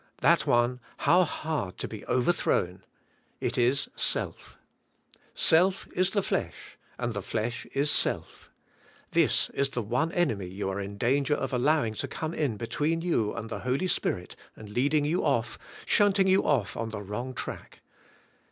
That one, how hard to be oyerthrown. It is self. Self is the flesh and the flesh is self. This is the one enemy you are in danger of allowing to come in between you and the Holy Spirit and leading you off, shunting you off on the wrong track.